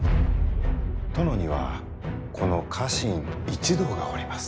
殿にはこの家臣一同がおります。